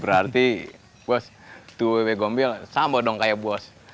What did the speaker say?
berarti bos tuh wewe gombel sama dong kayak bos